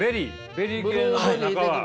ベリー系の中は。